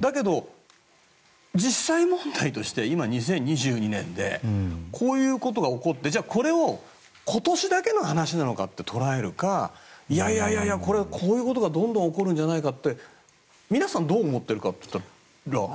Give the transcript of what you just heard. だけど実際問題として今、２０２２年でこういうことが起こってじゃあ、これを今年だけの話なのかって捉えるかいやいや、こういうことがどんどん起こるんじゃないかって皆さんどう思っているかっていったら。